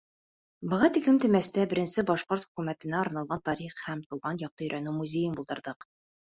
Быға тиклем Темәстә беренсе Башҡорт Хөкүмәтенә арналған тарих һәм тыуған яҡты өйрәнеү музейын булдырҙыҡ.